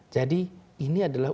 jadi ini adalah